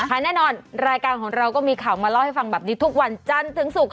แน่นอนรายการของเราก็มีข่าวมาเล่าให้ฟังแบบนี้ทุกวันจันทร์ถึงศุกร์